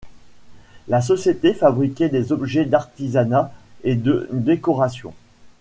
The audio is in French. La société fabriquait des objets d'artisanat et de décoration.